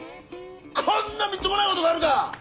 こんなみっともないことがあるか！